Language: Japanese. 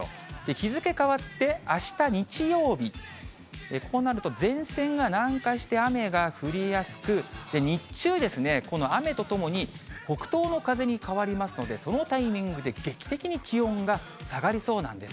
日付変わってあした日曜日、こうなると、前線が南下して雨が降りやすく、日中ですね、この雨とともに北東の風に変わりますので、そのタイミングで劇的に気温が下がりそうなんです。